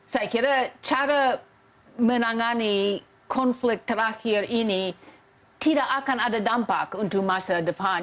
saya kira cara menangani konflik terakhir ini tidak akan ada dampak untuk masa depan